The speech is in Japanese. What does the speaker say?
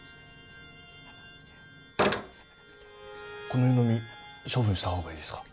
この湯飲み処分した方がいいですか？